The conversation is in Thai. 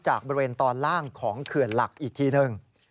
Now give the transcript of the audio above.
บริเวณตอนล่างของเขื่อนหลักอีกทีหนึ่ง